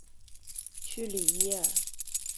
屈里耶尔。